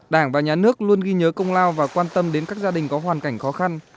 đảng và nhà nước luôn ghi nhớ công lao và quan tâm đến các gia đình có hoàn cảnh khó khăn